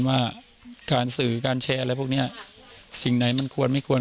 ว่าการสื่อการแชร์สิ่งไหนมันควรไม่ควร